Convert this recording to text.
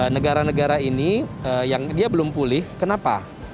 negara negara ini yang dia belum pulih kenapa